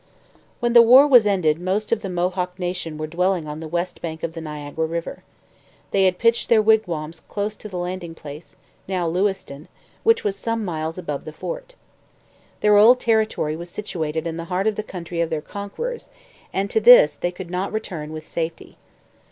When the war was ended most of the Mohawk nation were dwelling on the west bank of the Niagara river. They had pitched their wigwams close to the landing place, now Lewiston, which was some miles above the fort. Their old territory was situated in the heart of the country of their conquerors and to this they could not return with safety.